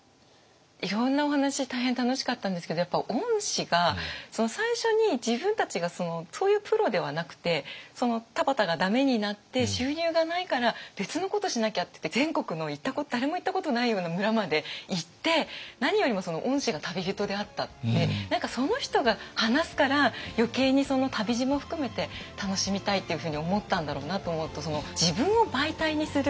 いろんなお話大変楽しかったんですけどやっぱ御師が最初に自分たちがそういうプロではなくて田畑が駄目になって収入がないから別のことしなきゃっていって全国の誰も行ったことないような村まで行って何かその人が話すから余計にその旅路も含めて楽しみたいっていうふうに思ったんだろうなと思うと自分を媒体にする。